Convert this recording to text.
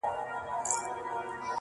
• ستوري هم سترګک وهي په مینه مینه,